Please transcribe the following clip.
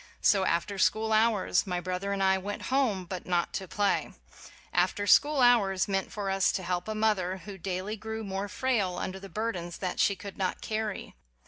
So, after school hours, my brother and I went home, but not to play. Af ter school hours meant for us to help a mother who daily grew more frail under the burdens that she could not carry.